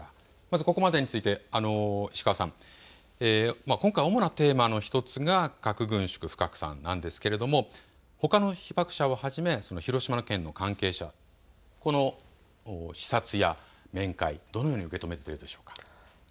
ここまでについて今回、主なテーマの１つが核軍縮・不拡散なんですけれどもほかの被爆者をはじめ広島の県の関係者、この視察や面会、どのように受け止めているでしょうか。